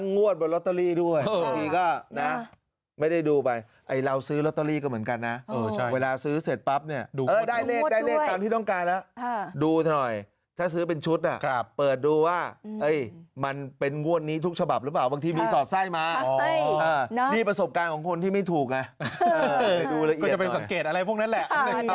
นี่ดูไปไอเราซื้อลอตเตอรี่ก็เหมือนกันนะเวลาซื้อเสร็จปั๊บเนี่ยได้เลขตามที่ต้องการแล้วดูหน่อยถ้าซื้อเป็นชุดนะครับเปิดดูว่ามันเป็นว่นนี้ทุกฉบับหรือเปล่าบางทีมีสอดไส้มานี่ประสบการณ์ของคนที่ไม่ถูกนะก็จะไปสังเกตอะไรพวกนั้นแหละ